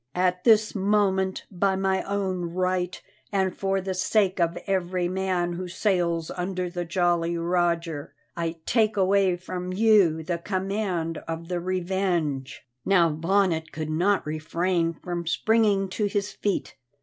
At this moment, by my own right and for the sake of every man who sails under the Jolly Roger, I take away from you the command of the Revenge." Now Bonnet could not refrain from springing to his feet.